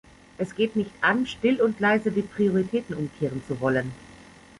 Es geht nicht an, still und leise die Prioritäten umkehren zu wollen.